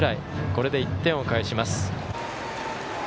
これで１点を返します。